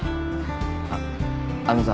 あっあのさ